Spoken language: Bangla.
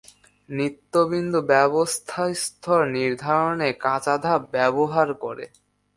নৃত্য-বিন্দু ব্যবস্থা স্তর নির্ধারণে কাঁচা ধাপ ব্যবহার করে।